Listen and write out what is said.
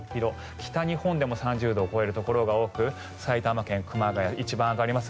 北日本でも３０度を超えるところが多く埼玉県熊谷一番上がります